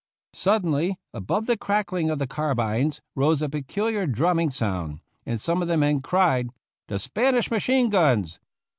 Suddenly, above the cracking of the carbines, rose a peculiar drumming sound, and some of the men cried, " The Spanish machine guns